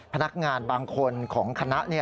พนักงานบางคนของคณะเนี่ย